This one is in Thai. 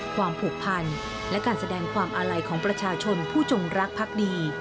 ความผูกพันและการแสดงความอาลัยของประชาชนผู้จงรักพักดี